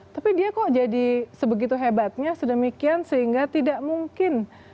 tapi dia kok jadi sebegitu hebatnya sedemikian sehingga tidak mungkin